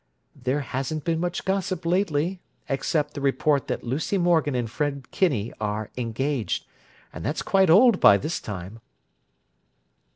"There hasn't been much gossip lately, except the report that Lucy Morgan and Fred Kinney are engaged—and that's quite old, by this time."